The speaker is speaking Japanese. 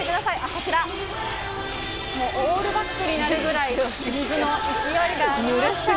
こちら、オールバックになるぐらい水の勢いがありました。